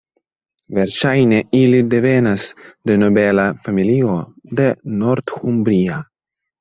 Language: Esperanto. Verŝajne ili devenas de nobela familio de Northumbria.